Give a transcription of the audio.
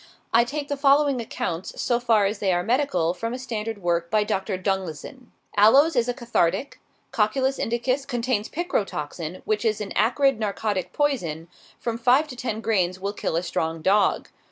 I take the following accounts, so far as they are medical, from a standard work by Dr. Dunglison: Aloes is a cathartic. Cocculus indicus contains picrotoxin, which is an "acrid narcotic poison;" from five to ten grains will kill a strong dog.